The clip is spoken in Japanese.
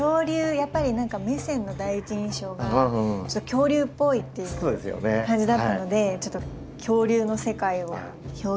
やっぱり何かメセンの第一印象が恐竜っぽいっていう感じだったのでちょっと恐竜の世界を表現してみました。